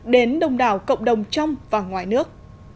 đến đông đảo cộng đồng trong và ngoài nước